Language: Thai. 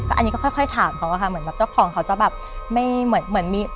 ก็อันนี้ก็ค่อยค่อยถามเขาค่ะเหมือนแบบเจ้าของเขาจะแบบไม่เหมือนมี